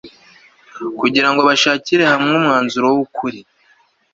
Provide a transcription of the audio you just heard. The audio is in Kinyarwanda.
kugira ngo bashakire hamwe umwanzuro w'ukuri